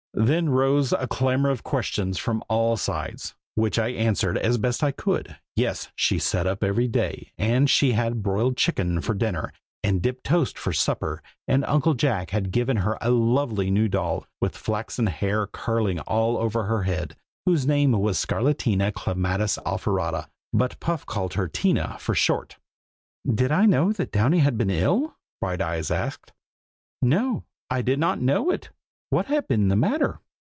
Then rose a clamor of questions from all sides, which I answered as best I could. Yes, she sat up every day, and she had broiled chicken for dinner, and dip toast for supper, and Uncle Jack had given her a lovely new doll, with flaxen hair curling all over her head, whose name was Scarlatina Clematis Alfarata; but Puff called her Tina, "for short." "Did I know that Downy had been ill?" Brighteyes asked. "No I did not know it! What had been the matter?"